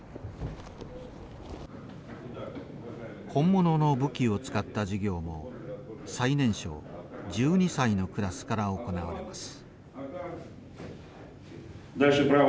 本物の武器を使った授業も最年少１２歳のクラスから行われます。